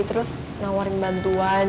terus nawarin bantuan